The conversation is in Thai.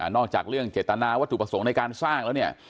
จากเรื่องเจตนาวัตถุประสงค์ในการสร้างแล้วเนี่ย